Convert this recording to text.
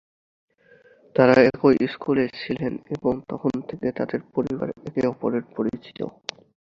তারা একই স্কুলে ছিলেন এবং তখন থেকে তাদের পরিবার একে অপরের পরিচিত।